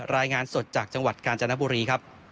รายงานสดจากจังหวัดกาญจนบุรีครับ